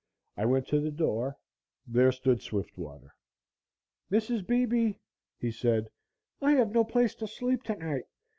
I went to the door there stood Swiftwater. "Mrs. Beebe," he said, "I have no place to sleep tonight.